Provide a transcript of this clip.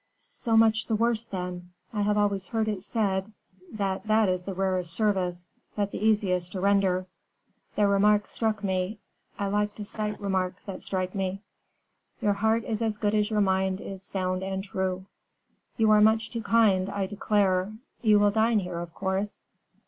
"So much the worse, then. I have always heard it said that that is the rarest service, but the easiest to render. The remark struck me; I like to cite remarks that strike me." "Your heart is as good as your mind is sound and true." "You are much too kind, I declare. You will dine here, of course?"